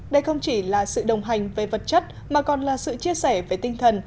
đây không chỉ là sự đồng hành về vật chất mà còn là sự chia sẻ về tinh thần